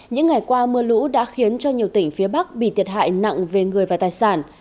những ngày qua mưa lũ đã khiến cho nhiều tỉnh phía bắc bị thiệt hại nặng về người và tài sản